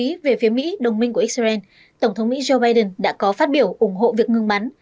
đáng chú ý về phía mỹ đồng minh của israel tổng thống mỹ joe biden đã có phát biểu ủng hộ việc ngừng bắn